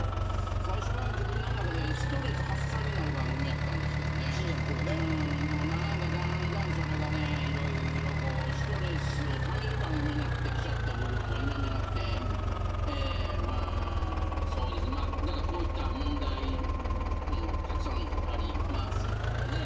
最初は自分の中でストレス発散になる番組だったんですけど何か、だんだんそれがいろいろストレスをためる番組になってきちゃった部分が否めなくてこういった問題もたくさんありますから。